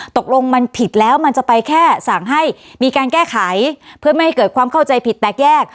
ตกลงมันผิดแล้วมันจะไปแค่สั่งให้มีการแก้ไขเพื่อไม่ให้เกิดความเข้าใจผิดแตกแยก